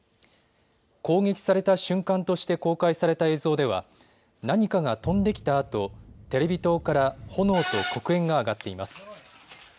攻撃された瞬間として公開された映像では何かが飛んできたあとテレビ塔から炎と黒煙が上がっています。